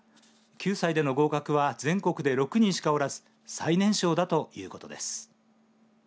９歳での合格は全国で６人しかおらず最年少だということです。